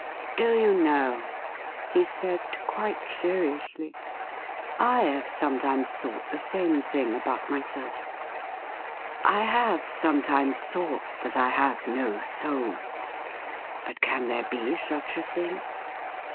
' Do you know,' he said, quite sei iously, ' I have some ^18 THE RtDDLE RlN(^ times thought the same thing about myself. I have some times thought that I have no soul ; but can there be such a thing